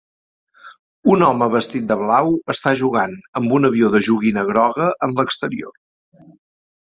Un home vestit de blau està jugant amb un avió de joguina groga en l'exterior.